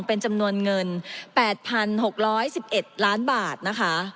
เป็นจำนวนเงิน๘๖๑๑ล้านบาทนะคะ